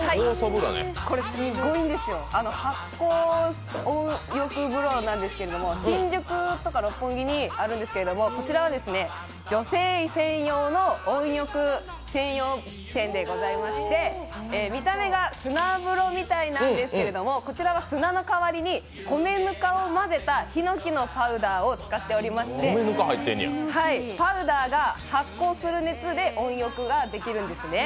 これ、すごいんですよ、発酵温浴風呂なんですけど、新宿とか六本木にあるんですけれどもこちらは女性専用の温浴専門店でございまして、見た目が砂風呂みたいなんですけれども、こちらは砂の代わりに米ぬかを混ぜたひのきのパウダーを使っていまして、パウダーが発酵する熱で温浴ができるんですね。